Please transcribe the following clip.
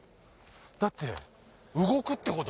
だって動くってこと？